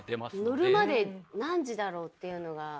乗るまで何時だろうっていうのが。